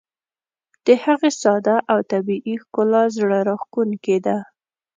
د هغې ساده او طبیعي ښکلا زړه راښکونکې ده.